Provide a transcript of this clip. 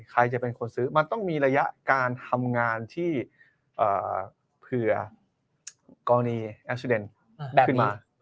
ใครจะเป็นคนซื้อมันต้องมีระยะการทำงานที่เผื่อกรณีแอคซิเดนขึ้นมา